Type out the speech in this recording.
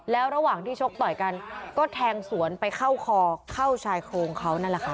แล้วระหว่างที่ชกต่อยกันก็แทงสวนไปเข้าคอเข้าชายโครงเขานั่นแหละค่ะ